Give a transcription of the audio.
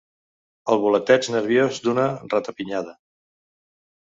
El voleteig nerviós d'una ratapinyada.